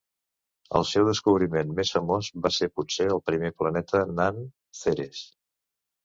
El seu descobriment més famós va ser potser el primer planeta nan, Ceres.